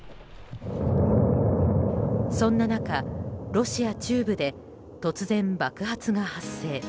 そんな中、ロシア中部で突然、爆発が発生。